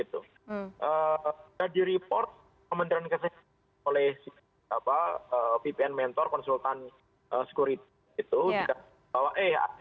sudah direport kementerian keseluruhan oleh vpn mentor konsultan security